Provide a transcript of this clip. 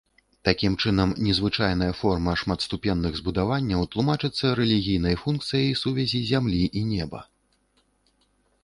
Такім чынам, незвычайная форма шматступенных збудаванняў тлумачыцца рэлігійнай функцыяй сувязі зямлі і неба.